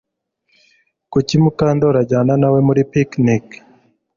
Kuki Mukandoli ajyana na we muri picnic